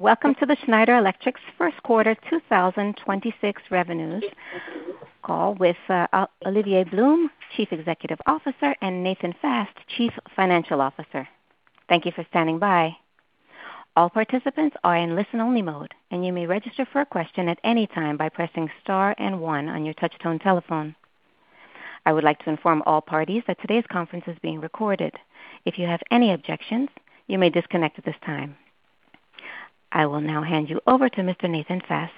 Welcome to the Schneider Electric's first quarter 2026 revenues call with Olivier Blum, Chief Executive Officer, and Nathan Fast, Chief Financial Officer. Thank you for standing by. All participants are in listen-only mode, and you may register for a question at any time by pressing star and one on your touchtone telephone. I would like to inform all parties that today's conference is being recorded. If you have any objections, you may disconnect at this time. I will now hand you over to Mr. Nathan Fast.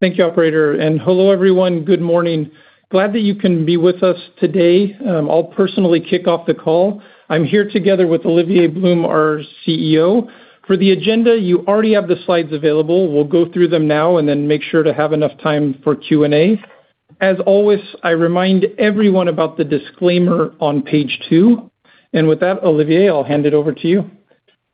Thank you, operator, and hello, everyone. Good morning. Glad that you can be with us today. I'll personally kick off the call. I'm here together with Olivier Blum, our CEO. For the agenda, you already have the slides available. We'll go through them now and then make sure to have enough time for Q and A. As always, I remind everyone about the disclaimer on page two. With that, Olivier, I'll hand it over to you.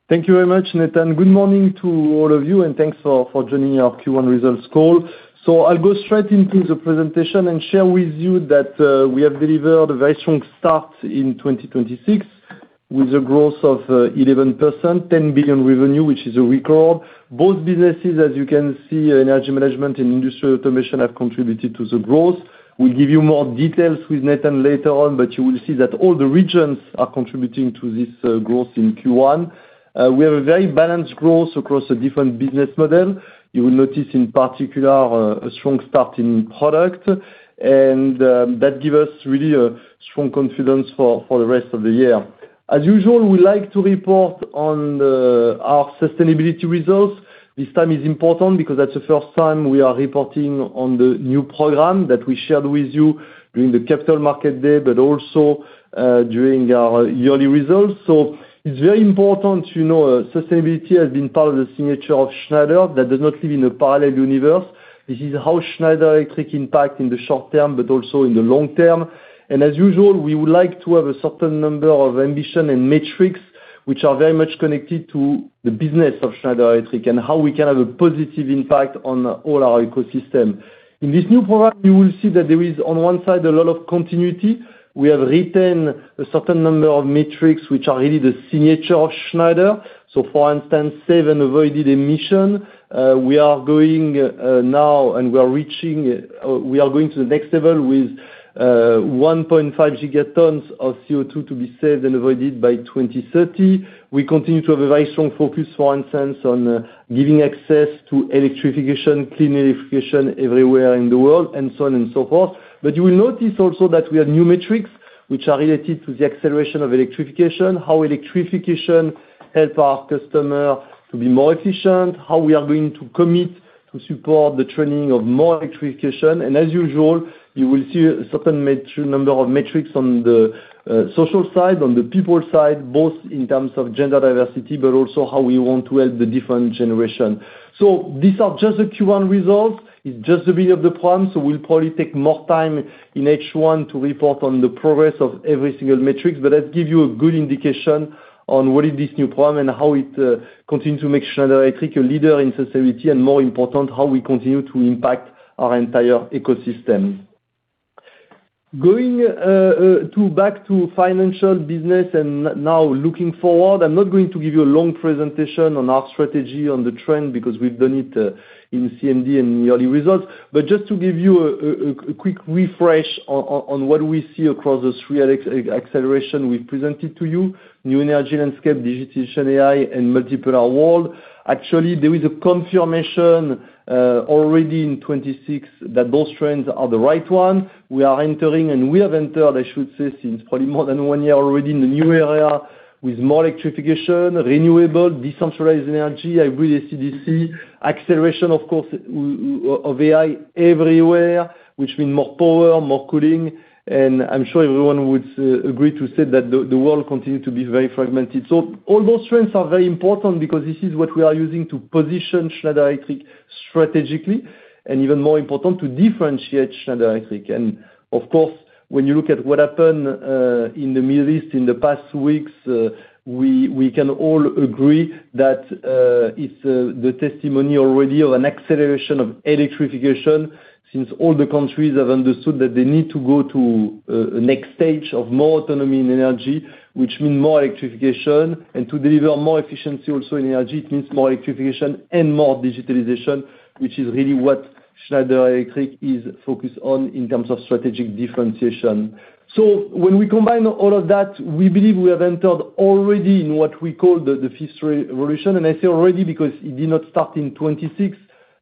Thank you very much, Nathan. Good morning to all of you, and thanks for joining our Q1 results call. I'll go straight into the presentation and share with you that we have delivered a very strong start in 2026 with a growth of 11%, 10 billion revenue, which is a record. Both businesses, as you can see, Energy Management and Industrial Automation, have contributed to the growth. We'll give you more details with Nathan later on, You will see that all the regions are contributing to this growth in Q1. We have a very balanced growth across a different business model. You will notice in particular a strong start in product, and that give us really a strong confidence for the rest of the year. As usual, we like to report on our sustainability results. This time is important because that's the first time we are reporting on the new program that we shared with you during the Capital Markets Day also during our yearly results. It's very important to know sustainability has been part of the signature of Schneider Electric. That does not live in a parallel universe. This is how Schneider Electric impact in the short term but also in the long term. As usual, we would like to have a certain number of ambition and metrics which are very much connected to the business of Schneider Electric and how we can have a positive impact on all our ecosystem. In this new program, you will see that there is, on one side, a lot of continuity. We have retained a certain number of metrics which are really the signature of Schneider Electric. For instance, save and avoided emission. We are going now and we are going to the next level with 1.5 gigatons of CO2 to be saved and avoided by 2030. We continue to have a very strong focus, for instance, on giving access to electrification, clean electrification everywhere in the world, and so on and so forth. You will notice also that we have new metrics which are related to the acceleration of electrification, how electrification help our customer to be more efficient, how we are going to commit to support the training of more electrification. As usual, you will see a certain number of metrics on the social side, on the people side, both in terms of gender diversity, but also how we want to help the different generation. These are just the Q1 results. It's just the beginning of the plan, we'll probably take more time in H1 to report on the progress of every single metric. That give you a good indication on what is this new plan and how it continue to make Schneider Electric a leader in sustainability and more important, how we continue to impact our entire ecosystem. Going back to financial business and now looking forward, I'm not going to give you a long presentation on our strategy on the trend because we've done it in CMD and yearly results. Just to give you a quick refresh on what we see across the three acceleration we presented to you, new energy landscape, digitization, AI, and multipolar world. There is a confirmation already in 2026 that those trends are the right one. We are entering, and we have entered, I should say, since probably more than one year already in the new area with more electrification, renewable, decentralized energy, hybrid AC-DC, acceleration, of course, of AI everywhere, which mean more power, more cooling. I'm sure everyone would agree to say that the world continue to be very fragmented. All those trends are very important because this is what we are using to position Schneider Electric strategically and even more important, to differentiate Schneider Electric. Of course, when you look at what happened in the Middle East in the past weeks, we can all agree that it's the testimony already of an acceleration of electrification since all the countries have understood that they need to go to a next stage of more autonomy in energy, which mean more electrification. To deliver more efficiency also in energy, it means more electrification and more digitalization, which is really what Schneider Electric is focused on in terms of strategic differentiation. When we combine all of that, we believe we have entered already in what we call the 5th re-revolution. I say already because it did not start in 2026.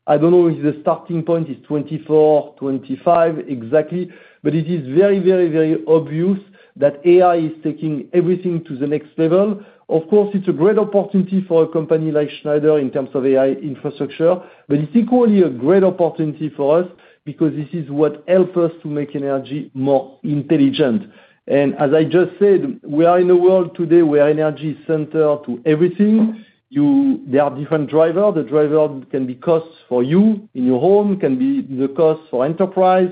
I don't know if the starting point is 2024, 2025 exactly, but it is very obvious that AI is taking everything to the next level. Of course, it's a great opportunity for a company like Schneider in terms of AI infrastructure, but it's equally a great opportunity for us because this is what help us to make energy more intelligent. As I just said, we are in a world today where energy is center to everything. There are different driver. The driver can be cost for you in your home, can be the cost for enterprise,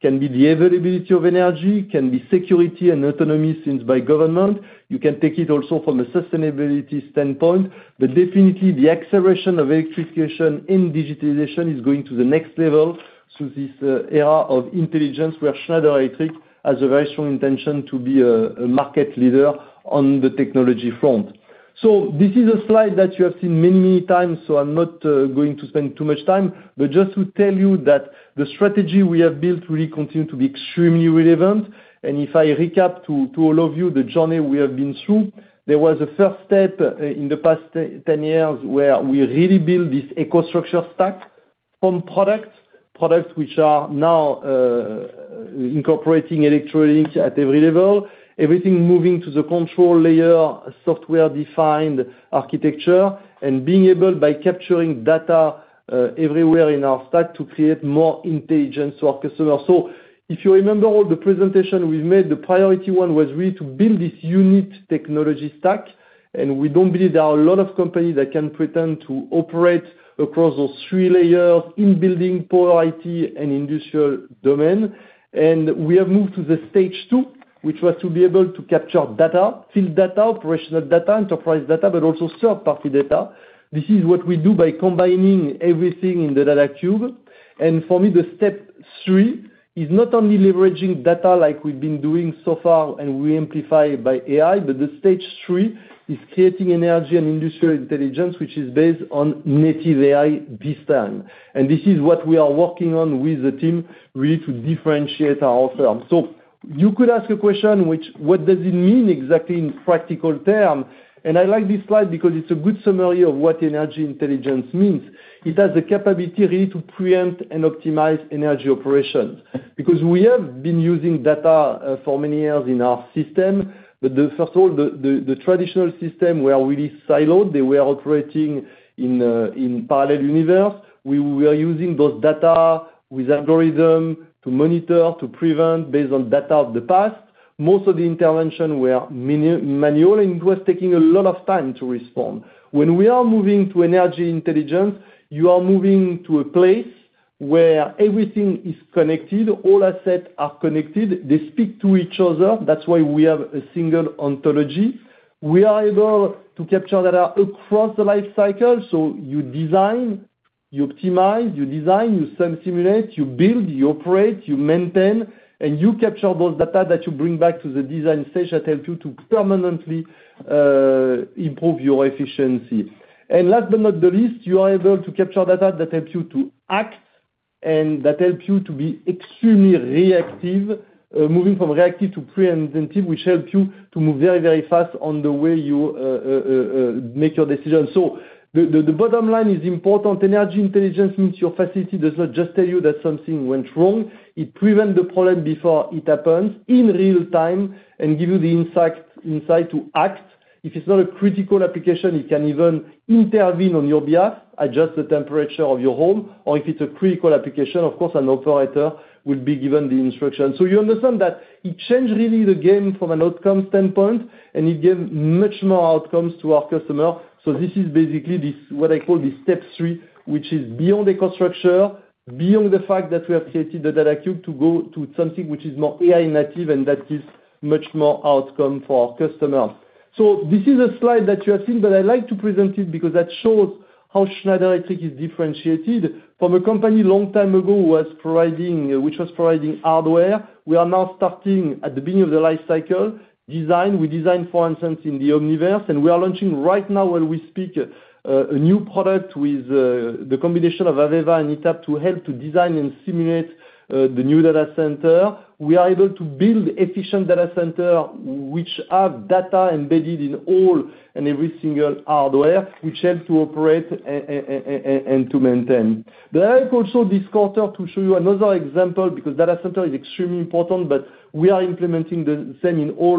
can be the availability of energy, can be security and autonomy since by government. You can take it also from a sustainability standpoint. Definitely the acceleration of electrification and digitalization is going to the next level through this era of intelligence, where Schneider Electric has a very strong intention to be a market leader on the technology front. This is a slide that you have seen many, many times, so I'm not going to spend too much time. Just to tell you that the strategy we have built really continue to be extremely relevant. If I recap to all of you the journey we have been through, there was a first step in the past 10 years where we really build this EcoStruxure stack from products which are now incorporating electronics at every level, everything moving to the control layer, software-defined architecture, and being able, by capturing data everywhere in our stack, to create more intelligence to our customer. If you remember all the presentation we've made, the priority one was really to build this unique technology stack, and we don't believe there are a lot of companies that can pretend to operate across those three layers in building power IT and industrial domain. We have moved to the stage two, which was to be able to capture data, field data, operational data, enterprise data, but also third-party data. This is what we do by combining everything in the Data Cube. For me, the step three is not only leveraging data like we've been doing so far and we amplify by AI, but the stage three is creating energy and industrial intelligence, which is based on native AI this time. This is what we are working on with the team, really to differentiate our offer. You could ask a question which what does it mean exactly in practical term? I like this slide because it's a good summary of what energy intelligence means. It has the capability really to preempt and optimize energy operations. We have been using data for many years in our system, but the first of all, the traditional system were really siloed. They were operating in parallel universe. We were using those data with algorithm to monitor, to prevent based on data of the past. Most of the intervention were manual, and it was taking a lot of time to respond. When we are moving to energy intelligence, you are moving to a place where everything is connected, all assets are connected. They speak to each other. That's why we have a single ontology. We are able to capture data across the life cycle, so you design, you optimize, you design, you simulate, you build, you operate, you maintain, and you capture those data that you bring back to the design stage that help you to permanently improve your efficiency. Last but not the least, you are able to capture data that helps you to act and that helps you to be extremely reactive, moving from reactive to preemptive, which help you to move very, very fast on the way you make your decisions. The bottom line is important. Energy intelligence means your facility does not just tell you that something went wrong. It prevent the problem before it happens in real time and give you the insight to act. If it's not a critical application, it can even intervene on your behalf, adjust the temperature of your home, or if it's a critical application, of course, an operator will be given the instruction. You understand that it change really the game from an outcome standpoint, and it give much more outcomes to our customer. This is basically what I call the step three, which is beyond EcoStruxure, beyond the fact that we have created the Data Cube to go to something which is more AI native and that gives much more outcome for our customer. This is a slide that you have seen, but I like to present it because that shows how Schneider Electric is differentiated. From a company long time ago who was providing hardware, we are now starting at the beginning of the life cycle design. We design, for instance, in the Omniverse, and we are launching right now while we speak, a new product with the combination of AVEVA and ETAP to help to design and simulate the new data center. We are able to build efficient data center which have data embedded in all and every single hardware, which help to operate and to maintain. I have also this quarter to show you another example, because data center is extremely important, but we are implementing the same in all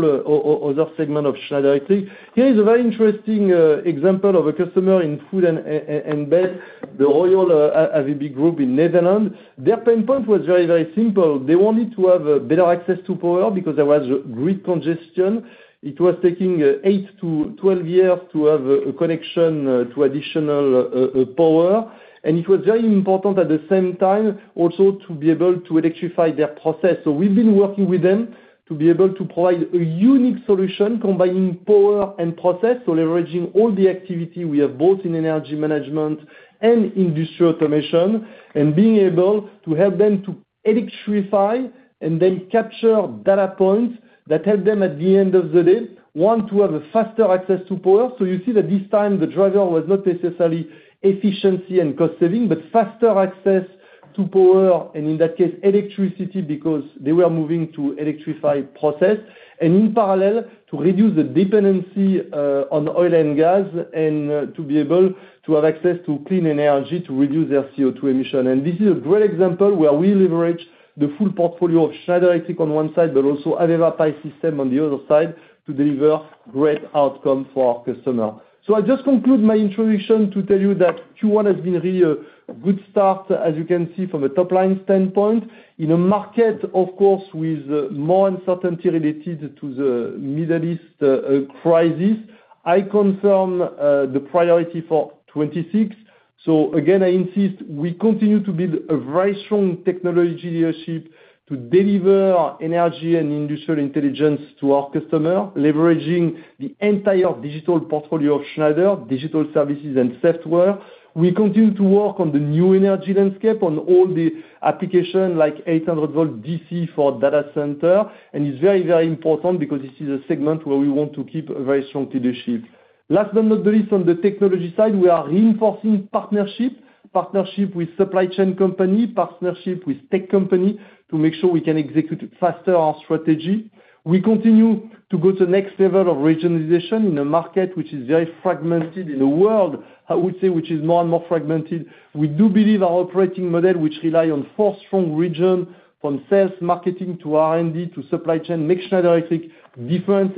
other segment of Schneider Electric. Here is a very interesting example of a customer in food and bev, the Royal Avebe group in Netherlands. Their pain point was very, very simple. They wanted to have better access to power because there was grid congestion. It was taking eight-12 years to have a connection to additional power. It was very important at the same time also to be able to electrify their process. We've been working with them to be able to provide a unique solution combining power and process, leveraging all the activity we have both in Energy Management and Industrial Automation, and being able to help them to electrify and then capture data points that help them, at the end of the day, one, to have a faster access to power. You see that this time the driver was not necessarily efficiency and cost saving, but faster access to power, and in that case, electricity, because they were moving to electrify process. In parallel, to reduce the dependency on oil and gas and to be able to have access to clean energy to reduce their CO2 emission. This is a great example where we leverage the full portfolio of Schneider Electric on one side, but also AVEVA PI System on the other side to deliver great outcome for our customer. I just conclude my introduction to tell you that Q1 has been really a good start, as you can see, from a top-line standpoint. In a market, of course, with more uncertainty related to the Middle East crisis, I confirm the priority for 2026. Again, I insist we continue to build a very strong technology leadership to deliver energy and industrial intelligence to our customer, leveraging the entire digital portfolio of Schneider, digital services and software. We continue to work on the new energy landscape on all the application like 800V DC for data center. It's very, very important because this is a segment where we want to keep a very strong leadership. Last but not least, on the technology side, we are reinforcing partnership with supply chain company, partnership with tech company to make sure we can execute faster our strategy. We continue to go to the next level of regionalization in a market which is very fragmented in a world, I would say, which is more and more fragmented. We do believe our operating model, which rely on four strong region from sales, marketing to R&D to supply chain, makes Schneider Electric different,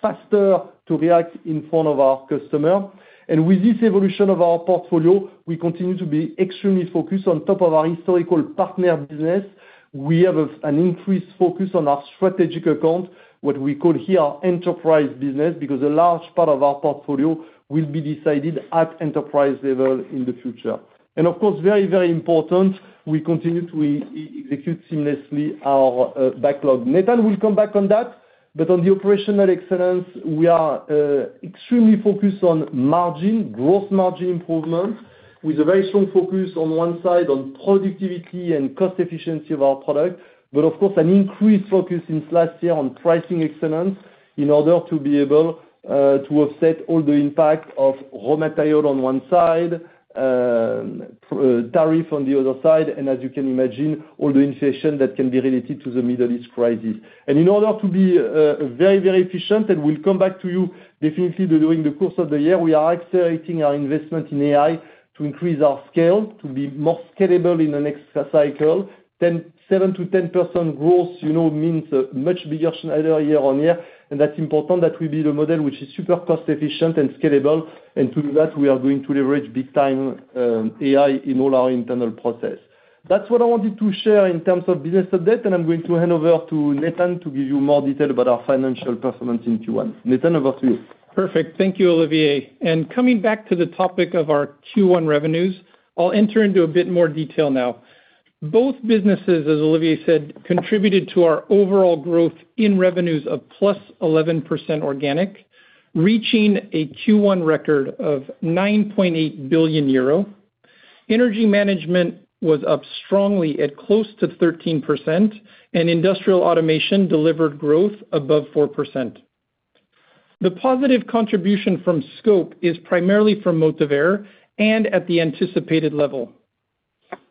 faster to react in front of our customer. With this evolution of our portfolio, we continue to be extremely focused on top of our historical partner business. We have an increased focus on our strategic account, what we call here enterprise business, because a large part of our portfolio will be decided at enterprise level in the future. Of course, very, very important, we continue to execute seamlessly our backlog. Nathan will come back on that. On the operational excellence, we are extremely focused on margin, gross margin improvement, with a very strong focus on one side on productivity and cost efficiency of our product. Of course, an increased focus since last year on pricing excellence in order to be able to offset all the impact of raw material on one side, tariff on the other side, and as you can imagine, all the inflation that can be related to the Middle East crisis. In order to be very, very efficient, and we'll come back to you definitely during the course of the year, we are accelerating our investment in AI to increase our scale, to be more scalable in the next cycle. 7%-10% growth, you know, means a much bigger Schneider year on year. That's important that we build a model which is super cost efficient and scalable. To do that, we are going to leverage big time AI in all our internal process. That's what I wanted to share in terms of business update, and I'm going to hand over to Nathan to give you more detail about our financial performance in Q1. Nathan, over to you. Perfect. Thank you, Olivier. Coming back to the topic of our Q1 revenues, I'll enter into a bit more detail now. Both businesses, as Olivier said, contributed to our overall growth in revenues of +11% organic, reaching a Q1 record of 9.8 billion euro. Energy Management was up strongly at close to 13%, and Industrial Automation delivered growth above 4%. The positive contribution from scope is primarily from Motivair and at the anticipated level.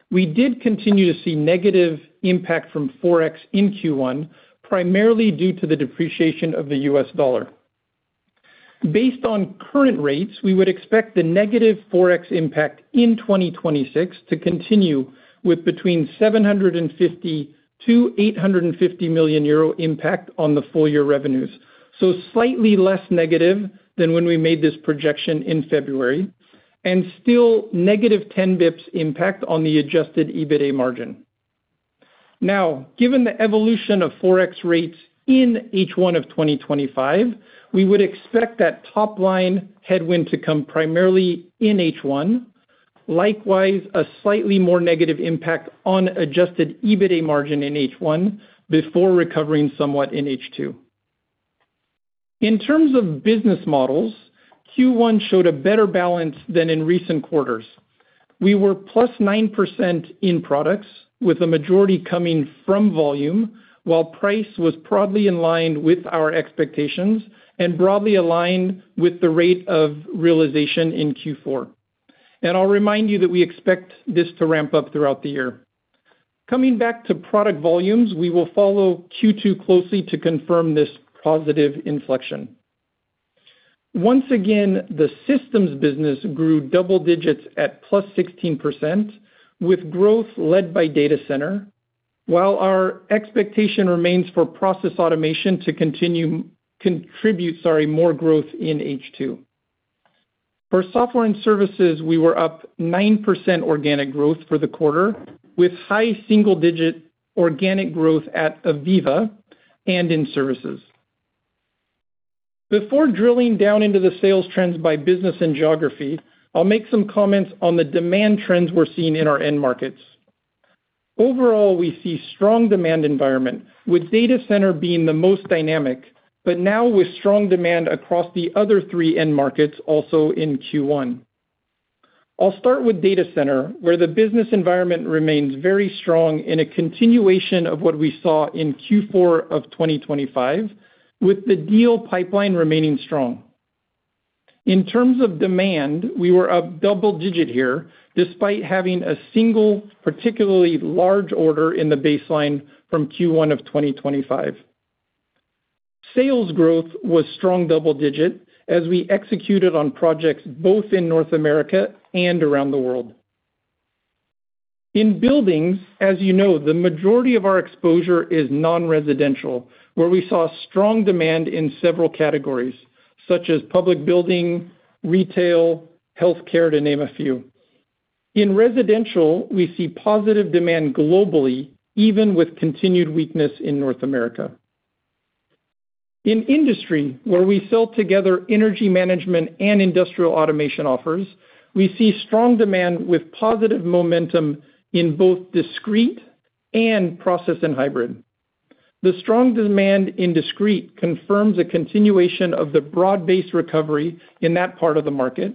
We did continue to see negative impact from Forex in Q1, primarily due to the depreciation of the US dollar. Based on current rates, we would expect the negative Forex impact in 2026 to continue with between 750 million-850 million euro impact on the full year revenues, slightly less negative than when we made this projection in February, and still negative 10 basis points impact on the Adjusted EBITA margin. Given the evolution of Forex rates in H1 of 2025, we would expect that top line headwind to come primarily in H1. Likewise, a slightly more negative impact on Adjusted EBITA margin in H1 before recovering somewhat in H2. In terms of business models, Q1 showed a better balance than in recent quarters. We were +9% in products, with the majority coming from volume, while price was broadly in line with our expectations and broadly aligned with the rate of realization in Q4. I'll remind you that we expect this to ramp up throughout the year. Coming back to product volumes, we will follow Q2 closely to confirm this positive inflection. Once again, the systems business grew double digits at +16%, with growth led by data center, while our expectation remains for process automation to contribute more growth in H2. For software and services, we were up 9% organic growth for the quarter, with high single-digit organic growth at AVEVA and in services. Before drilling down into the sales trends by business and geography, I'll make some comments on the demand trends we're seeing in our end markets. Overall, we see strong demand environment, with data center being the most dynamic, but now with strong demand across the other three end markets also in Q1. I'll start with data center, where the business environment remains very strong in a continuation of what we saw in Q4 of 2025, with the deal pipeline remaining strong. In terms of demand, we were up double-digit here, despite having a single particularly large order in the baseline from Q1 of 2025. Sales growth was strong double-digit as we executed on projects both in North America and around the world. In buildings, as you know, the majority of our exposure is non-residential, where we saw strong demand in several categories, such as public building, retail, healthcare, to name a few. In residential, we see positive demand globally, even with continued weakness in North America. In industry, where we sell together Energy Management and Industrial Automation offers, we see strong demand with positive momentum in both Discrete and process and hybrid. The strong demand in Discrete Automation confirms a continuation of the broad-based recovery in that part of the market,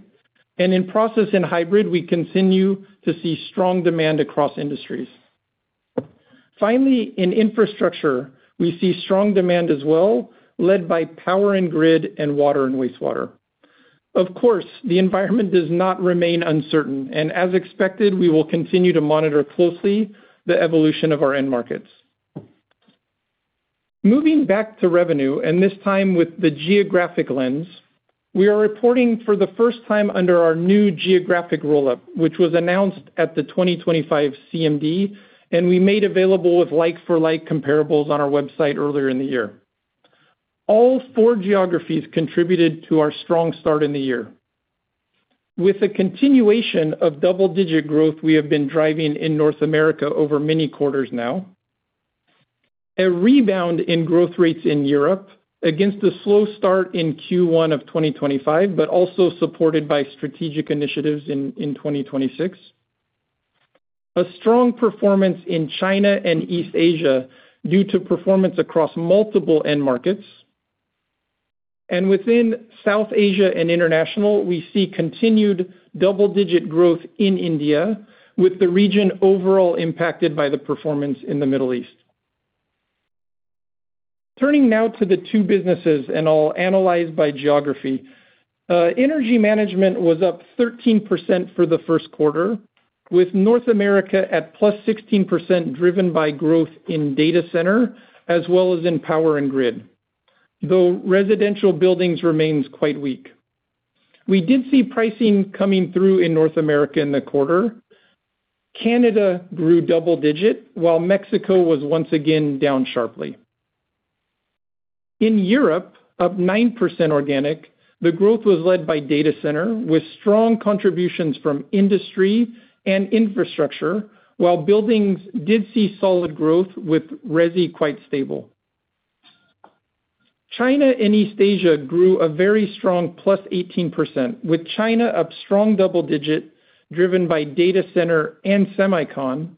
and in process and hybrid, we continue to see strong demand across industries. Finally, in infrastructure, we see strong demand as well, led by power and grid and water and wastewater. Of course, the environment does not remain uncertain, and as expected, we will continue to monitor closely the evolution of our end markets. Moving back to revenue, and this time with the geographic lens, we are reporting for the first time under our new geographic roll-up, which was announced at the 2025 CMD, and we made available with like-for-like comparables on our website earlier in the year. All four geographies contributed to our strong start in the year. With a continuation of double-digit growth we have been driving in North America over many quarters now. A rebound in growth rates in Europe against a slow start in Q1 of 2025, also supported by strategic initiatives in 2026. A strong performance in China and East Asia due to performance across multiple end markets. Within South Asia and International, we see continued double-digit growth in India, with the region overall impacted by the performance in the Middle East. Turning now to the two businesses, I'll analyze by geography. Energy Management was up 13% for the first quarter, with North America at plus 16% driven by growth in data center as well as in power and grid. Though residential buildings remains quite weak. We did see pricing coming through in North America in the quarter. Canada grew double-digit, while Mexico was once again down sharply. In Europe, up 9% organic, the growth was led by data center with strong contributions from industry and infrastructure, while buildings did see solid growth with resi quite stable. China and East Asia grew a very strong +18%, with China up strong double-digit driven by data center and semicon,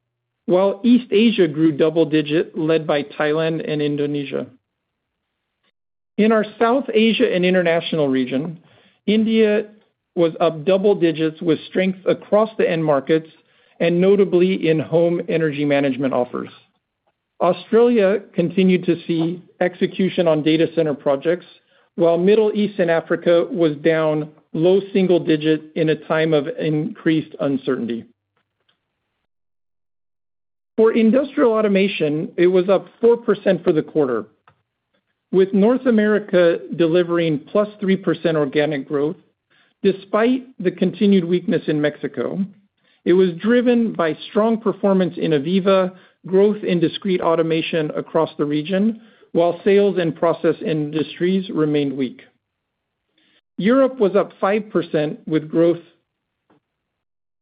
while East Asia grew double-digit led by Thailand and Indonesia. In our South Asia and international region, India was up double-digits with strength across the end markets and notably in home Energy Management offers. Australia continued to see execution on data center projects, while Middle East and Africa was down low single-digit in a time of increased uncertainty. For Industrial Automation, it was up 4% for the quarter, with North America delivering +3% organic growth despite the continued weakness in Mexico. It was driven by strong performance in AVEVA, growth in Discrete Automation across the region, while sales and process industries remained weak. Europe was up 5% with growth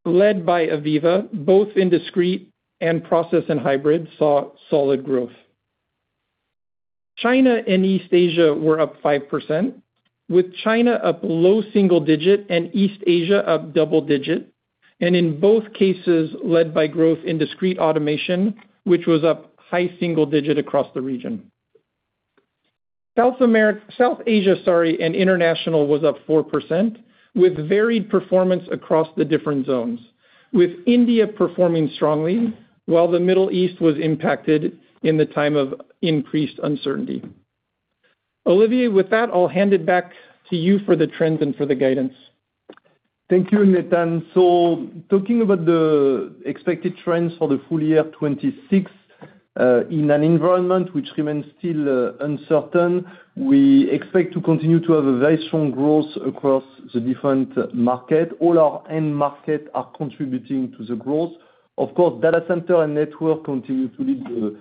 led by AVEVA, both in discrete and process and hybrid saw solid growth. China and East Asia were up 5%, with China up low single digit and East Asia up double digit. In both cases led by growth in Discrete Automation, which was up high single digit across the region. South Asia and international was up 4% with varied performance across the different zones, with India performing strongly while the Middle East was impacted in the time of increased uncertainty. Olivier, with that, I'll hand it back to you for the trends and for the guidance. Thank you, Nathan. Talking about the expected trends for the full year 2026, in an environment which remains still uncertain, we expect to continue to have a very strong growth across the different market. All our end market are contributing to the growth. Data center and network continue to lead the growth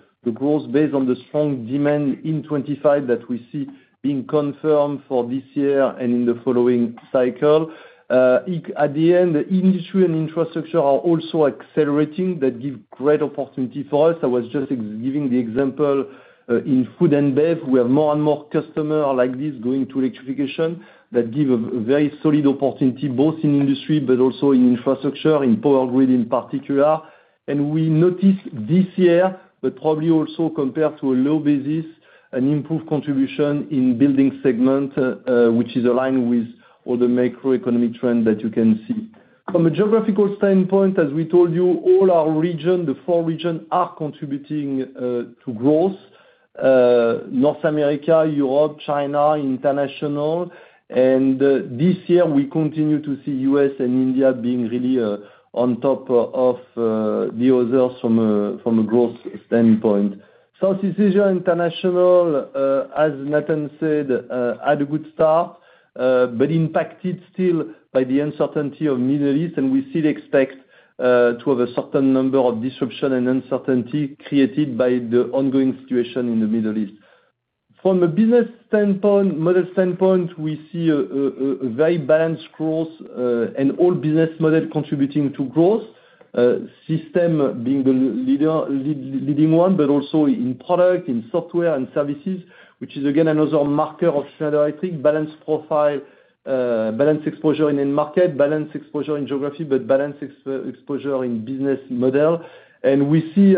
based on the strong demand in 2025 that we see being confirmed for this year and in the following cycle. At the end, industry and infrastructure are also accelerating, that give great opportunity for us. I was just giving the example, in food and bev, we have more and more customer like this going to electrification that give a very solid opportunity both in industry but also in infrastructure, in power grid in particular. We notice this year, but probably also compared to a low basis, an improved contribution in building segment, which is aligned with all the macroeconomic trends that you can see. From a geographical standpoint, as we told you, all our regions, the four regions are contributing to growth. North America, Europe, China, International. This year, we continue to see U.S. and India being really on top of the others from a growth standpoint. Southeast Asia International, as Nathan said, had a good start, but impacted still by the uncertainty of Middle East, and we still expect to have a certain number of disruptions and uncertainty created by the ongoing situation in the Middle East. From a business standpoint, model standpoint, we see a very balanced growth, and all business model contributing to growth. System being the leader, leading one, but also in product, in software and services, which is again another marker of Schneider, I think. Balanced profile. Balance exposure in end market, balance exposure in geography, but balance exposure in business model. We see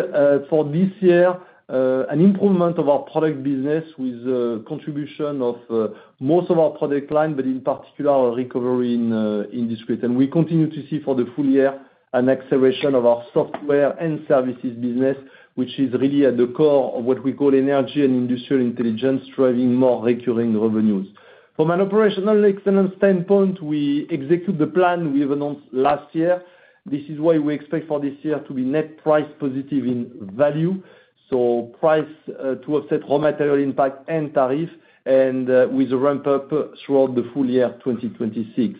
for this year an improvement of our product business with contribution of most of our product line, but in particular, a recovery in discrete. We continue to see for the full year an acceleration of our software and services business, which is really at the core of what we call energy and industrial intelligence, driving more recurring revenues. From an operational excellence standpoint, we execute the plan we have announced last year. This is why we expect for this year to be net price positive in value, so price to offset raw material impact and tariff, and with a ramp-up throughout the full year 2026.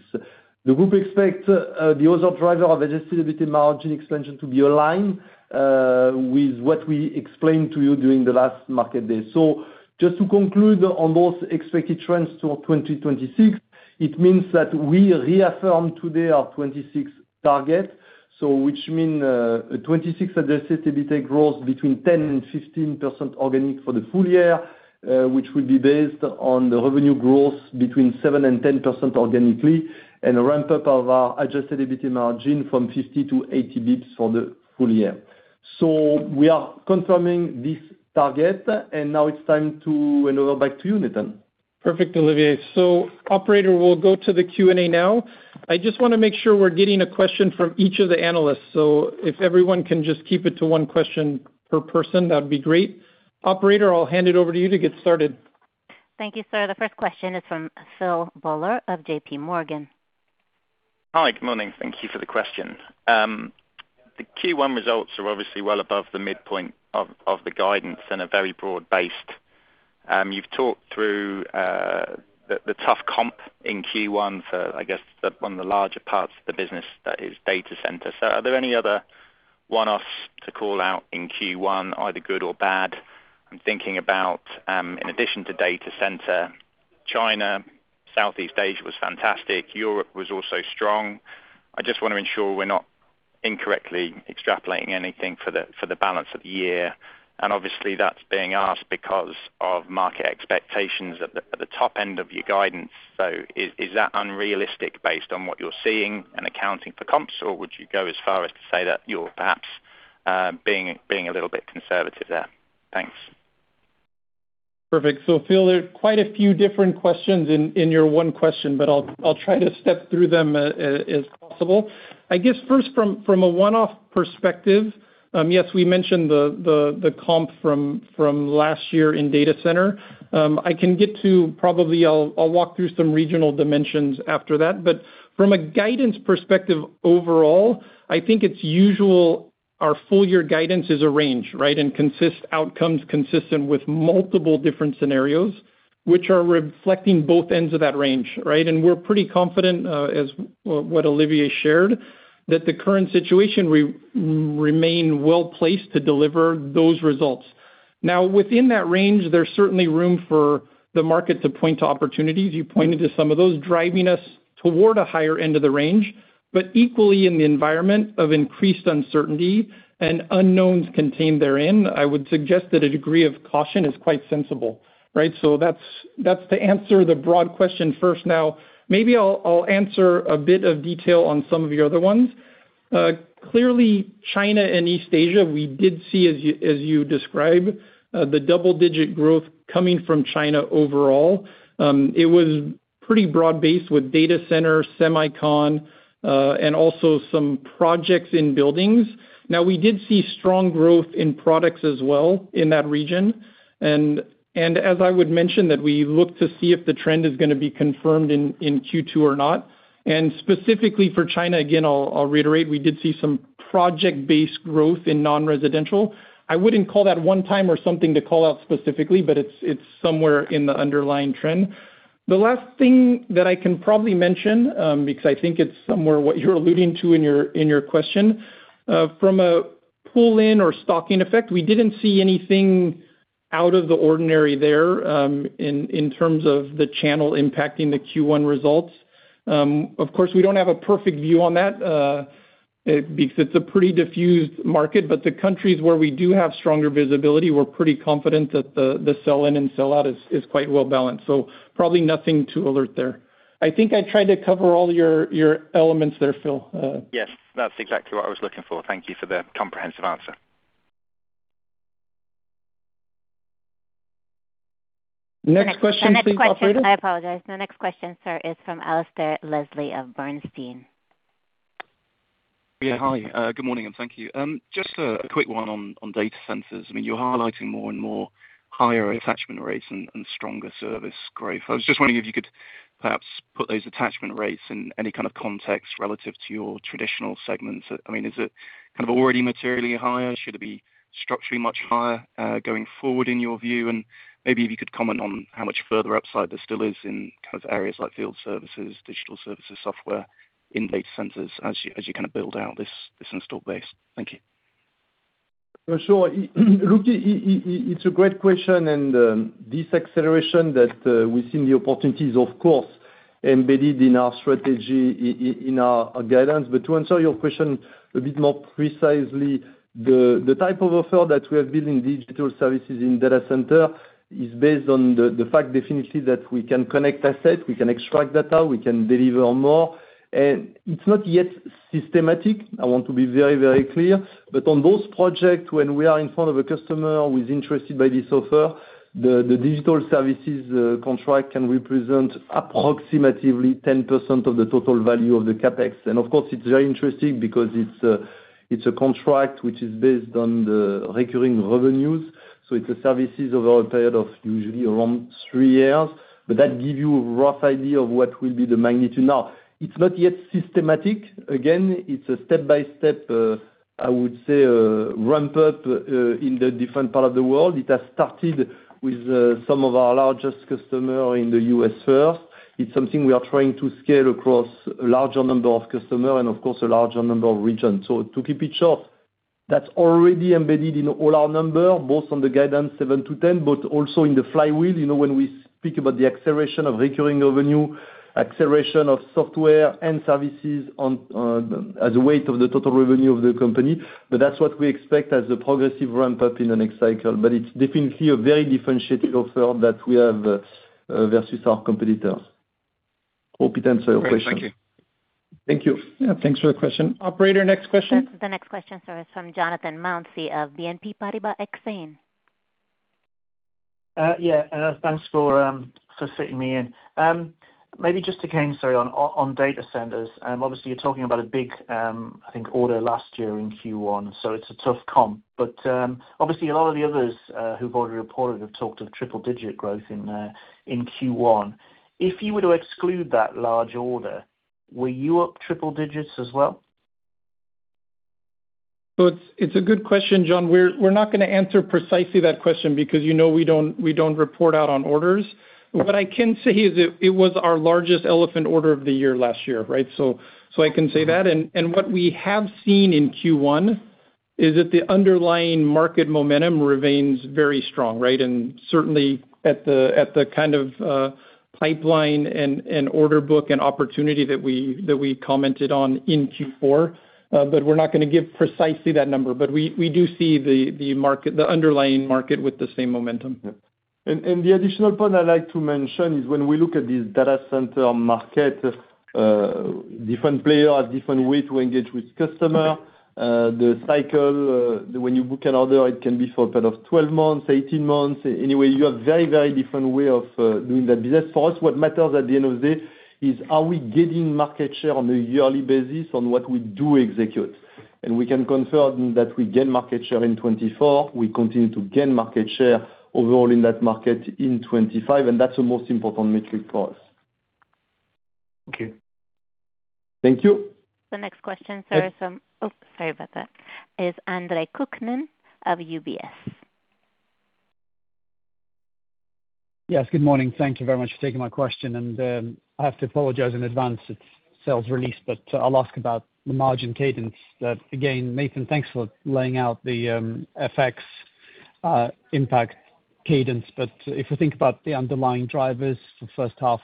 The group expect the other driver of Adjusted EBITA margin expansion to be aligned with what we explained to you during the last Capital Markets Day. Just to conclude on those expected trends to 2026, it means that we reaffirm today our 2026 target. Which mean 2026 Adjusted EBITA growth between 10%-15% organic for the full year, which will be based on the revenue growth between 7%-10% organically and a ramp-up of our Adjusted EBITA margin from 50-80 basis points for the full year. We are confirming this target, and now it's time to hand over back to you, Nathan. Perfect, Olivier. Operator, we'll go to the Q and A now. I just wanna make sure we're getting a question from each of the analysts. If everyone can just keep it to one question per person, that'd be great. Operator, I'll hand it over to you to get started. Thank you, sir. The first question is from Philip Buller of JPMorgan. Hi, good morning. Thank you for the question. The Q1 results are obviously well above the midpoint of the guidance and are very broad-based. You've talked through the tough comp in Q1 for, I guess, one of the larger parts of the business that is data center. Are there any other one-offs to call out in Q1, either good or bad? I'm thinking about, in addition to data center, China, Southeast Asia was fantastic. Europe was also strong. I just wanna ensure we're not incorrectly extrapolating anything for the balance of the year. Obviously, that's being asked because of market expectations at the top end of your guidance. I s that unrealistic based on what you're seeing and accounting for comps, or would you go as far as to say that you're perhaps being a little bit conservative there? Thanks. Perfect. Philip, there are quite a few different questions in your one question, but I'll try to step through them as possible. I guess first from a one-off perspective, yes, we mentioned the, the comp from last year in data center. I can get to probably I'll walk through some regional dimensions after that. From a guidance perspective overall, I think it's usual our full year guidance is a range, right? Outcomes consistent with multiple different scenarios, which are reflecting both ends of that range, right? We're pretty confident, as what Olivier shared, that the current situation remain well-placed to deliver those results. Now, within that range, there's certainly room for the market to point to opportunities. You pointed to some of those driving us toward a higher end of the range, but equally in the environment of increased uncertainty and unknowns contained therein, I would suggest that a degree of caution is quite sensible, right? That's to answer the broad question first. Maybe I'll answer a bit of detail on some of your other ones. Clearly, China and East Asia, we did see, as you describe, the double-digit growth coming from China overall. It was pretty broad-based with data center, semicon, and also some projects in buildings. We did see strong growth in products as well in that region. As I would mention that we look to see if the trend is gonna be confirmed in Q2 or not. Specifically for China, again, I'll reiterate, we did see some project-based growth in non-residential. I wouldn't call that one time or something to call out specifically, but it's somewhere in the underlying trend. The last thing that I can probably mention, because I think it's somewhere what you're alluding to in your question. From a pull-in or stocking effect, we didn't see anything out of the ordinary there, in terms of the channel impacting the Q1 results. Of course, we don't have a perfect view on that, because it's a pretty diffused market, but the countries where we do have stronger visibility, we're pretty confident that the sell-in and sell-out is quite well-balanced. Probably nothing to alert there. I think I tried to cover all your elements there, Philip. Yes, that's exactly what I was looking for. Thank you for the comprehensive answer. Next question please, operator. I apologize. The next question, sir, is from Alasdair Leslie of Bernstein. Yeah. Hi, good morning, and thank you. Just a quick one on data centers. I mean, you're highlighting more and more higher attachment rates and stronger service growth. I was just wondering if you could perhaps put those attachment rates in any kind of context relative to your traditional segments. I mean, is it kind of already materially higher? Should it be structurally much higher going forward in your view? Maybe if you could comment on how much further upside there still is in kind of areas like field services, digital services, software in data centers as you kind of build out this install base. Thank you. Sure. Look, it's a great question, and this acceleration that we've seen the opportunities, of course, embedded in our strategy, in our guidance. To answer your question a bit more precisely, the type of offer that we have built in digital services in data center is based on the fact definitely that we can connect assets, we can extract data, we can deliver more. It's not yet systematic, I want to be very, very clear. On those projects, when we are in front of a customer who is interested by this offer, the digital services contract can represent approximately 10% of the total value of the CapEx. Of course, it's very interesting because it's a contract which is based on the recurring revenues. It's a services over a period of usually around three years. That give you a rough idea of what will be the magnitude. Now, it's not yet systematic. Again, it's a step-by-step, I would say, ramp up in the different part of the world. It has started with some of our largest customer in the U.S. first. It's something we are trying to scale across a larger number of customers and of course, a larger number of regions. To keep it short, that's already embedded in all our numbers, both on the guidance 7%-10%, but also in the flywheel. You know, when we speak about the acceleration of recurring revenue, acceleration of software and services on as a weight of the total revenue of the company. That's what we expect as a progressive ramp-up in the next cycle. It's definitely a very differentiated offer that we have versus our competitors. Hope it answered your question. Great. Thank you. Thank you. Yeah, thanks for the question. Operator, next question. The next question, sir, is from Jonathan Mounsey of BNP Paribas Exane. Yeah, thanks for fitting me in. Maybe just again, sorry, on data centers. Obviously you're talking about a big, I think order last year in Q1, so it's a tough comp. Obviously a lot of the others who've already reported have talked of triple digit growth in Q1. If you were to exclude that large order, were you up triple digits as well? It's, it's a good question, Jonathan. We're, we're not gonna answer precisely that question because you know we don't, we don't report out on orders. What I can say is it was our largest elephant order of the year last year, right? I can say that. What we have seen in Q1 is that the underlying market momentum remains very strong, right? Certainly at the kind of pipeline and order book and opportunity that we commented on in Q4. We're not gonna give precisely that number. We do see the market, the underlying market with the same momentum. Yeah. The additional point I'd like to mention is when we look at this data center market, different player have different way to engage with customer. The cycle, when you book an order, it can be for a period of 12 months, 18 months. Anyway, you have very, very different way of doing that business. For us, what matters at the end of the day is, are we gaining market share on a yearly basis on what we do execute? We can confirm that we gain market share in 2024. We continue to gain market share overall in that market in 2025, that's the most important metric for us. Okay. Thank you. The next question, sir, is from. And- Oh, sorry about that. Is Andre Kukhnin of UBS. Yes, good morning. Thank you very much for taking my question. I have to apologize in advance, it's sales release, I'll ask about the margin cadence. That again, Nathan, thanks for laying out the FX impact cadence. If we think about the underlying drivers for first half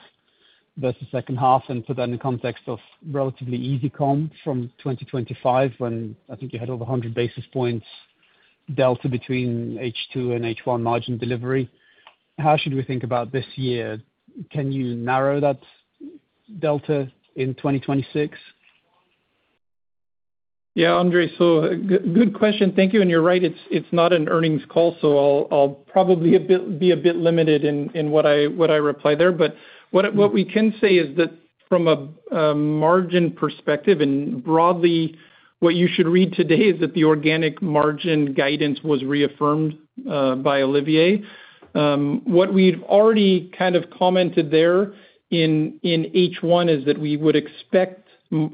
versus second half, and put that in the context of relatively easy comp from 2025, when I think you had over 100 basis points delta between H2 and H1 margin delivery. How should we think about this year? Can you narrow that delta in 2026? Andre, good question. Thank you. You're right, it's not an earnings call, so I'll probably be a bit limited in what I reply there. What we can say is that from a margin perspective, broadly what you should read today is that the organic margin guidance was reaffirmed by Olivier. What we've already kind of commented there in H1 is that we would expect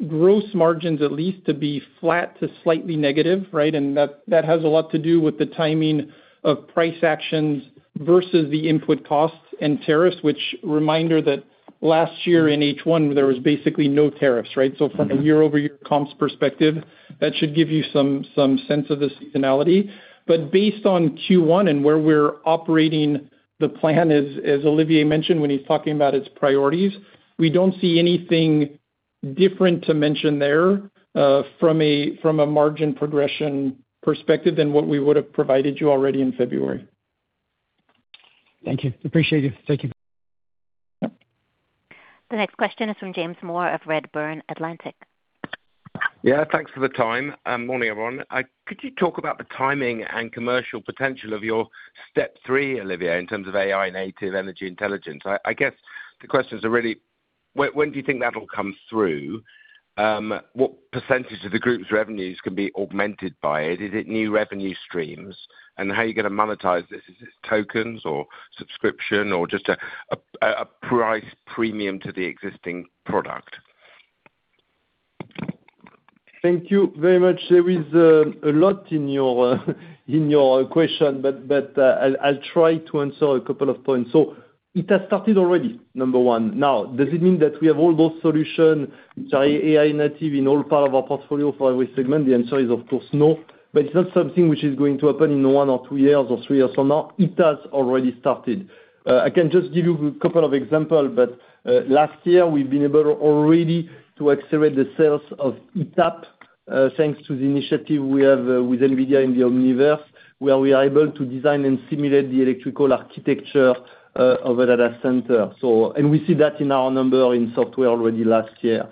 gross margins at least to be flat to slightly negative, right? That has a lot to do with the timing of price actions versus the input costs and tariffs, which reminder that last year in H1, there was basically no tariffs, right? From a year-over-year comps perspective, that should give you some sense of the seasonality. Based on Q1 and where we're operating the plan, as Olivier mentioned when he's talking about its priorities, we don't see anything different to mention there from a margin progression perspective than what we would've provided you already in February. Thank you. Appreciate it. Thank you. Yep. The next question is from James Moore of Redburn Atlantic. Thanks for the time. Morning, everyone. Could you talk about the timing and commercial potential of your step three, Olivier, in terms of AI native energy intelligence? I guess the questions are really when do you think that'll come through? What percentage of the group's revenues can be augmented by it? Is it new revenue streams? How are you gonna monetize this? Is it tokens or subscription or just a price premium to the existing product? Thank you very much. There is a lot in your question, but I'll try to answer a couple of points. It has started already, number one. Now, does it mean that we have all those solution, sorry, AI native in all part of our portfolio for every segment? The answer is of course no. It's not something which is going to happen in one or two years or three years from now. It has already started. I can just give you a couple of example, but last year we've been able already to accelerate the sales of ETAP thanks to the initiative we have with NVIDIA in the Omniverse, where we are able to design and simulate the electrical architecture of a data center. We see that in our number in software already last year.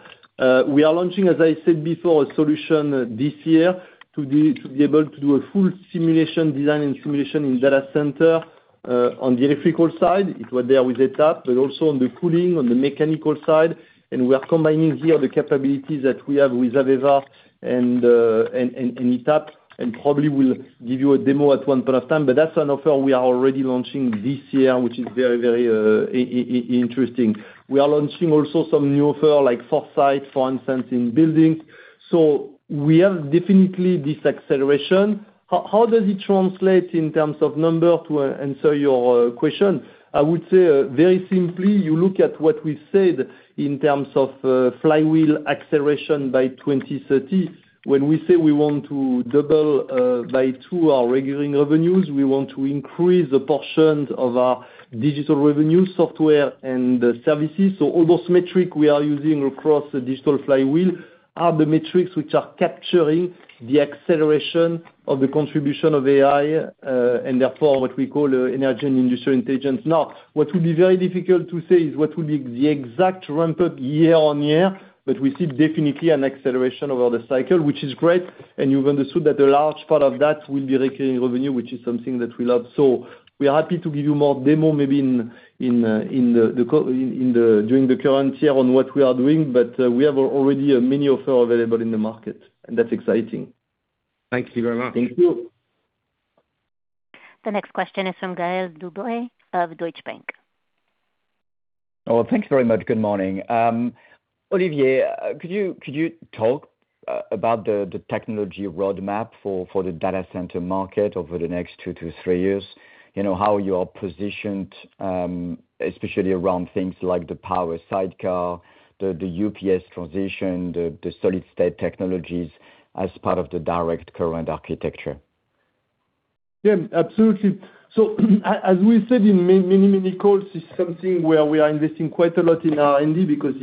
We are launching, as I said before, a solution this year to be able to do a full simulation design and simulation in data center on the electrical side. It was there with ETAP, but also on the cooling, on the mechanical side. We are combining here the capabilities that we have with AVEVA and ETAP, and probably will give you a demo at 1 point of time. That's an offer we are already launching this year, which is very interesting. We are launching also some new offer like Foresight, for instance, in buildings. We have definitely this acceleration. How does it translate in terms of number to answer your question? I would say very simply, you look at what we said in terms of flywheel acceleration by 2030. When we say we want to double, by two our recurring revenues, we want to increase the portions of our digital revenue software and services. All those metric we are using across the digital flywheel are the metrics which are capturing the acceleration of the contribution of AI, and therefore what we call energy and industry intelligence. What will be very difficult to say is what will be the exact ramp-up year-on-year, but we see definitely an acceleration over the cycle, which is great. You've understood that a large part of that will be recurring revenue, which is something that we love. We are happy to give you more demo maybe during the current year on what we are doing, but we have already a mini offer available in the market, and that's exciting. Thank you very much. Thank you. The next question is from Gael De Bray of Deutsche Bank. Oh, thanks very much. Good morning. Olivier, could you talk about the technology roadmap for the data center market over the next two to three years? You know, how you are positioned, especially around things like the power sidecar, the UPS transition, the solid-state technologies as part of the direct current architecture. Yeah, absolutely. As we said in many, many calls, it's something where we are investing quite a lot in R&D because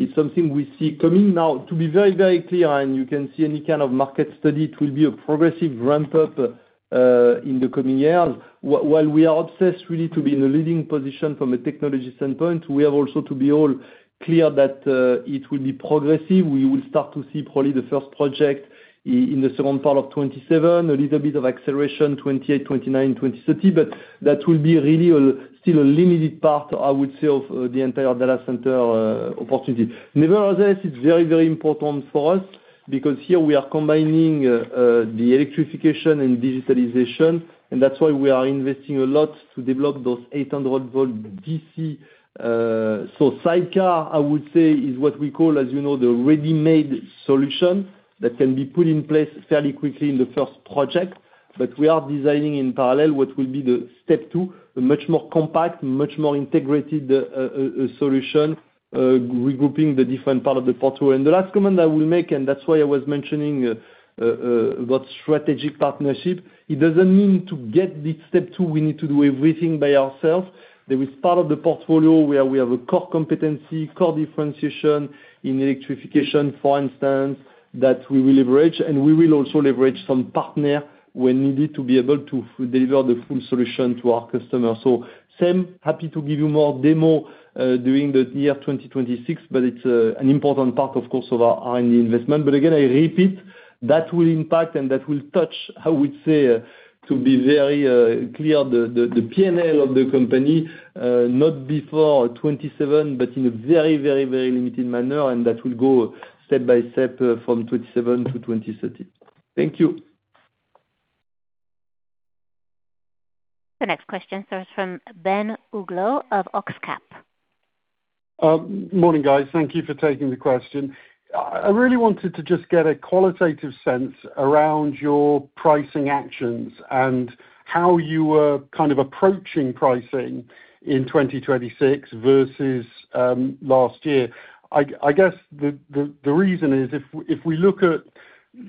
it's something we see coming. To be very, very clear, and you can see any kind of market study, it will be a progressive ramp-up in the coming years. While we are obsessed really to be in a leading position from a technology standpoint, we have also to be all clear that it will be progressive. We will start to see probably the first project in the second part of 2027, a little bit of acceleration, 2028, 2029, 2030. That will be really still a limited part, I would say, of the entire data center opportunity. Nevertheless, it's very, very important for us because here we are combining the electrification and digitalization, and that's why we are investing a lot to develop those 800V DC. Sidecar, I would say, is what we call, as you know, the ready-made solution that can be put in place fairly quickly in the first project. We are designing in parallel what will be the step two, a much more compact, much more integrated solution, regrouping the different part of the portfolio. The last comment I will make, and that's why I was mentioning about strategic partnership. It doesn't mean to get this step two, we need to do everything by ourselves. There is part of the portfolio where we have a core competency, core differentiation in electrification, for instance, that we will leverage, and we will also leverage some partner when needed to be able to deliver the full solution to our customer. Same, happy to give you more demo during the year 2026, but it's an important part, of course, of our R&D investment. Again, I repeat, that will impact and that will touch, I would say, to be very clear the P&L of the company, not before 2027, but in a very, very, very limited manner, and that will go step by step from 2027 to 2030. Thank you. The next question starts from Ben Uglow of OxCap. Morning, guys. Thank you for taking the question. I really wanted to just get a qualitative sense around your pricing actions and how you are kind of approaching pricing in 2026 versus last year. I guess the reason is if we look at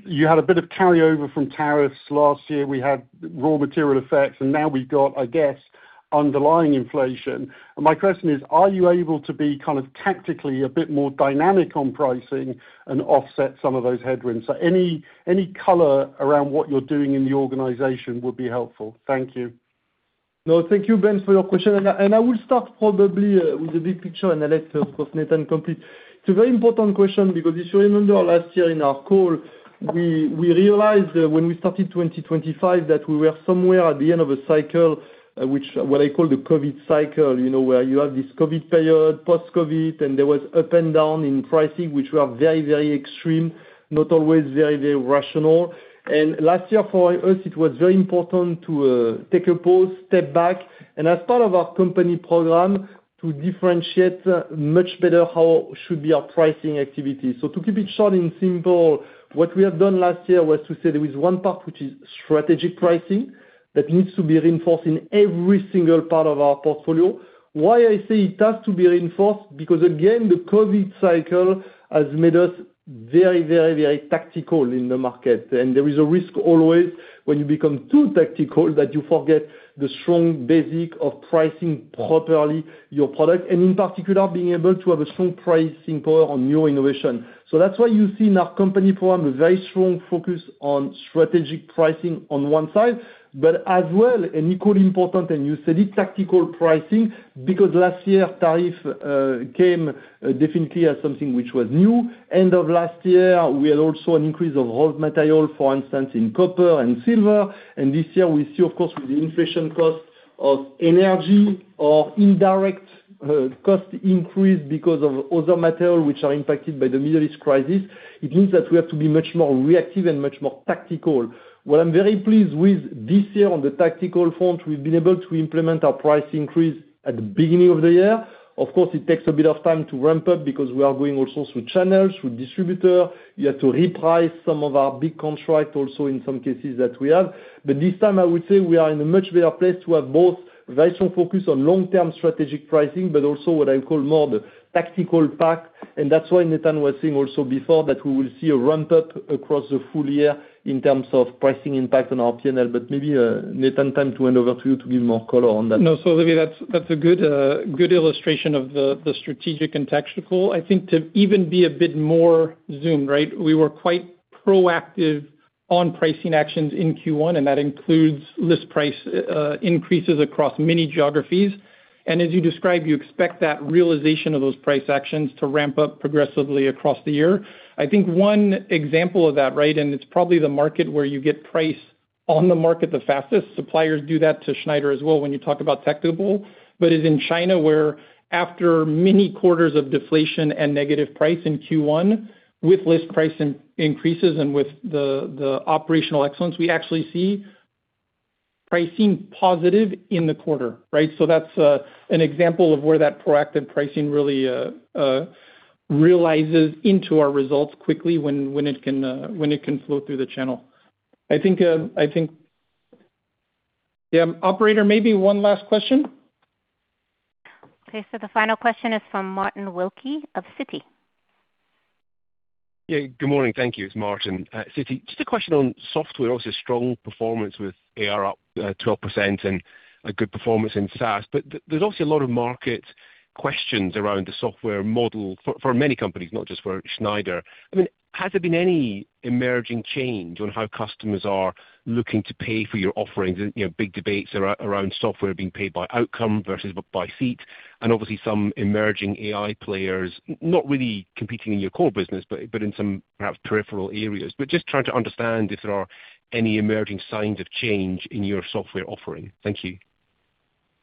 you had a bit of carryover from tariffs last year, we had raw material effects, and now we've got, I guess, underlying inflation. My question is, are you able to be kind of tactically a bit more dynamic on pricing and offset some of those headwinds? Any color around what you're doing in the organization would be helpful. Thank you. No, thank you, Ben, for your question. I will start probably with the big picture and let, of course, Nathan complete. It's a very important question because if you remember last year in our call, we realized when we started 2025 that we were somewhere at the end of a cycle, which what I call the COVID cycle, you know, where you have this COVID period, post-COVID, and there was up and down in pricing, which were very extreme, not always very rational. Last year, for us, it was very important to take a pause, step back, and as part of our company program, to differentiate much better how should be our pricing activity. To keep it short and simple, what we have done last year was to say there is one part which is strategic pricing that needs to be reinforced in every single part of our portfolio. Why I say it has to be reinforced, because again, the COVID cycle has made us very, very, very tactical in the market. There is a risk always when you become too tactical that you forget the strong basic of pricing properly your product and in particular, being able to have a strong pricing power on new innovation. That's why you see in our company forum a very strong focus on strategic pricing on one side, but as well, and equally important, and you said it, tactical pricing, because last year tariff came definitely as something which was new. End of last year, we had also an increase of raw material, for instance, in copper and silver. This year we see, of course, with the inflation cost of energy or indirect cost increase because of other material which are impacted by the Middle East crisis. It means that we have to be much more reactive and much more tactical. What I'm very pleased with this year on the tactical front, we've been able to implement our price increase at the beginning of the year. Of course, it takes a bit of time to ramp up because we are going also through channels, through distributor. We have to reprice some of our big contract also in some cases that we have. This time, I would say we are in a much better place to have both very strong focus on long-term strategic pricing, also what I call more the tactical plan. That's why Nathan was saying also before that we will see a ramp up across the full year in terms of pricing impact on our P&L. Maybe, Nathan, time to hand over to you to give more color on that. No. Olivier, that's a good illustration of the strategic and tactical. I think to even be a bit more zoomed, right. We were quite proactive on pricing actions in Q1. That includes list price increases across many geographies. As you described, you expect that realization of those price actions to ramp up progressively across the year. I think one example of that, right, it's probably the market where you get price on the market the fastest, suppliers do that to Schneider as well when you talk about tactical. Is in China, where after many quarters of deflation and negative price in Q1, with list price increases and with the operational excellence, we actually see pricing positive in the quarter, right. That's an example of where that proactive pricing really realizes into our results quickly when it can flow through the channel. Yeah, operator, maybe one last question. Okay. The final question is from Martin Wilkie of Citi. Good morning. Thank you. It's Martin Wilkie, Citi. Just a question on software. Obviously, strong performance with ARR up 12% and a good performance in SaaS. There's obviously a lot of market questions around the software model for many companies, not just for Schneider Electric. I mean, has there been any emerging change on how customers are looking to pay for your offerings? You know, big debates around software being paid by outcome versus by seat, and obviously some emerging AI players, not really competing in your core business, but in some perhaps peripheral areas. Just trying to understand if there are any emerging signs of change in your software offering. Thank you.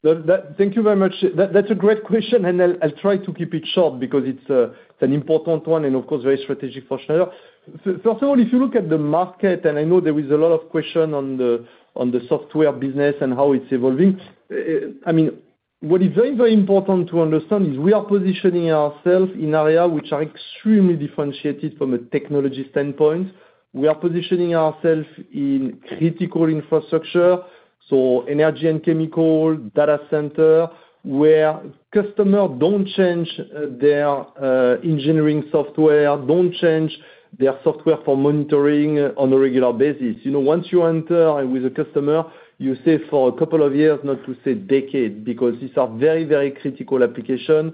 Thank you very much. That's a great question, and I'll try to keep it short because it's an important one and of course, very strategic for Schneider. First of all, if you look at the market, I know there is a lot of question on the software business and how it's evolving. I mean, what is very important to understand is we are positioning ourselves in area which are extremely differentiated from a technology standpoint. We are positioning ourselves in critical infrastructure, so energy and chemical, data center, where customer don't change their engineering software, don't change their software for monitoring on a regular basis. You know, once you enter with a customer, you stay for a couple of years, not to say decade, because it's a very critical application.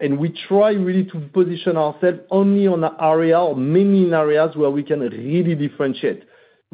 And we try really to position ourselves only on an area or mainly in areas where we can really differentiate,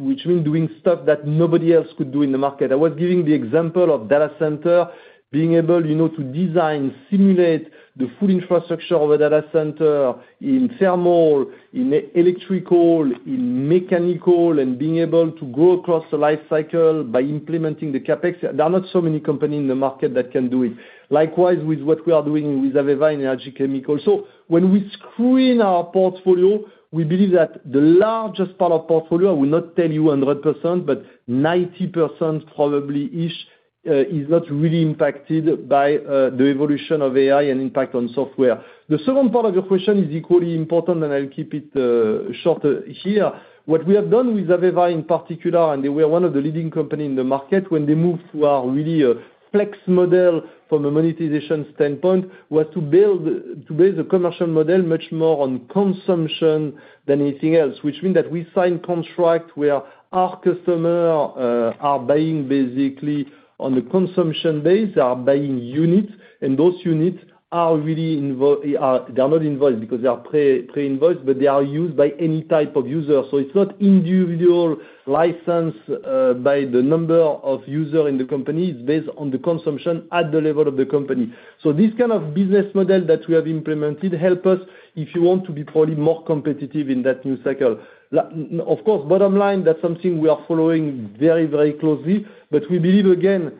which means doing stuff that nobody else could do in the market. I was giving the example of data center being able, you know, to design, simulate the full infrastructure of a data center in thermal, in electrical, in mechanical, and being able to go across the life cycle by implementing the CapEx. There are not so many companies in the market that can do it. Likewise, with what we are doing with AVEVA in energy chemical. When we screen our portfolio, we believe that the largest part of portfolio, I will not tell you 100%, but 90% probably-ish, is not really impacted by the evolution of AI and impact on software. The second part of your question is equally important, and I'll keep it short here. What we have done with AVEVA in particular, and they were one of the leading company in the market when they moved to a really a flex model from a monetization standpoint, was to base a commercial model much more on consumption than anything else. Which mean that we sign contract where our customer are buying basically on a consumption base. They are buying units, and those units are really they are not invoice because they are pre-invoiced, but they are used by any type of user. So it's not individual license by the number of user in the company. It's based on the consumption at the level of the company. This kind of business model that we have implemented help us, if you want, to be probably more competitive in that new cycle. Of course, bottom line, that's something we are following very, very closely. We believe, again,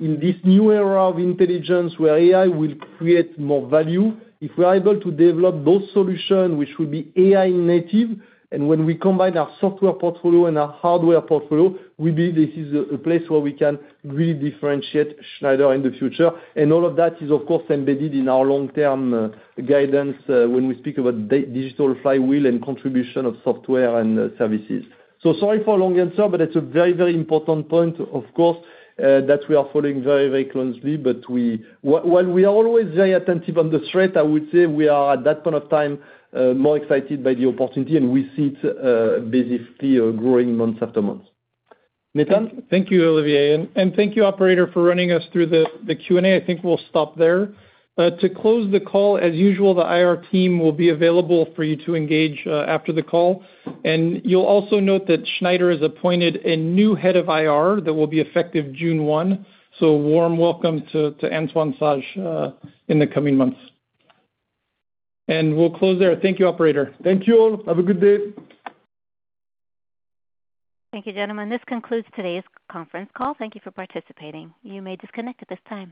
in this new era of intelligence where AI will create more value, if we are able to develop those solution, which will be AI native, and when we combine our software portfolio and our hardware portfolio, we believe this is a place where we can really differentiate Schneider in the future. All of that is, of course, embedded in our long-term guidance when we speak about digital flywheel and contribution of software and services. Sorry for a long answer, but it's a very, very important point, of course, that we are following very, very closely. While we are always very attentive on the threat, I would say we are, at that point of time, more excited by the opportunity, and we see it, basically, growing month after month. Nathan? Thank you, Olivier. Thank you, operator, for running us through the Q and A. I think we'll stop there. To close the call, as usual, the IR team will be available for you to engage after the call. You'll also note that Schneider has appointed a new head of IR that will be effective June 1. Warm welcome to Antoine Sage in the coming months. We'll close there. Thank you, operator. Thank you all. Have a good day. Thank you, gentlemen. This concludes today's conference call. Thank you for participating. You may disconnect at this time.